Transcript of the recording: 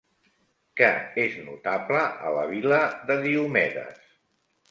Què és notable a la Vil·la de Diomedes?